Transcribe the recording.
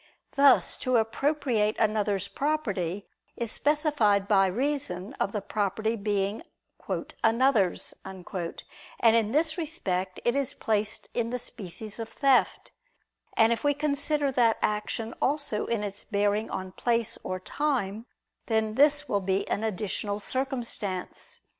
Thus to appropriate another's property is specified by reason of the property being "another's," and in this respect it is placed in the species of theft; and if we consider that action also in its bearing on place or time, then this will be an additional circumstance.